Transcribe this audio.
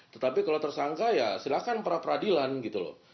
tetapi kalau tersangka ya silahkan pra peradilan gitu loh